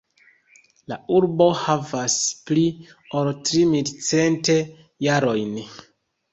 La urbo havas pli ol tri mil cent jarojn.